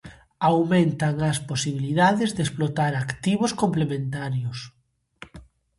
Aumentan as posibilidades de explotar activos complementarios.